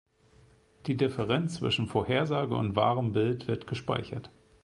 Die Differenz zwischen Vorhersage und wahrem Bild wird gespeichert.